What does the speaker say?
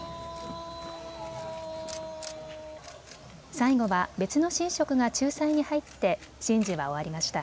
最後は別の神職が仲裁に入って神事は終わりました。